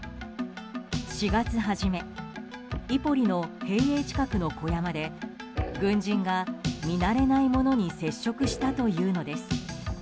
４月初めイポリの兵営近くの小山で軍人が見慣れないものに接触したというのです。